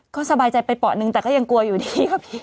ก็สบายใจไปเปาะนึงแต่ก็ยังกลัวอยู่ดี